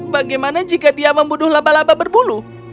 bagaimana jika dia membunuh laba laba berbulu